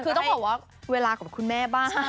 คือต้องบอกว่าเวลาของคุณแม่บ้าง